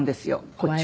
こっちは。